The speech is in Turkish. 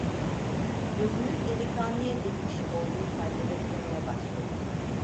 Gözünü delikanlıya dikmiş olduğu halde beklemeye başladı.